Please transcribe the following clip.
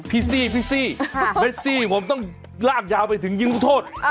พี่ซี่พี่ซี่เวสซี่ผมต้องรากยาวไปถึงยิงลูกโทษ